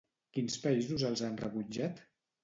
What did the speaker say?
Quins països els han rebutjat?